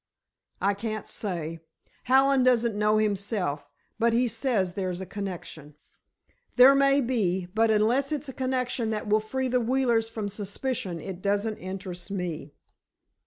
"I can't say. Hallen doesn't know himself. But he says there's a connection." "There may be. But unless it's a connection that will free the Wheelers from suspicion, it doesn't interest me."